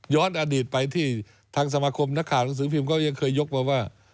อดีตไปที่ทางสมาคมนักข่าวหนังสือพิมพ์ก็ยังเคยยกมาว่า